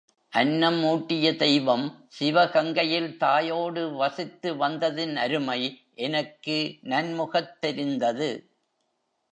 அன்னம் ஊட்டிய தெய்வம் சிவகங்கையில் தாயோடு வசித்துவந்ததின் அருமை எனக்கு நன்முகத் தெரிந்தது.